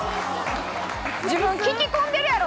自分聴き込んでるやろ？